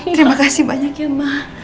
terima kasih banyak ya mbak